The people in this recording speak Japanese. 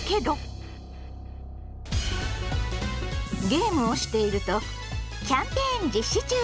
ゲームをしていると「キャンペーン実施中！！